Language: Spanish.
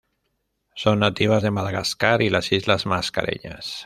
Son nativas de Madagascar y las Islas Mascareñas.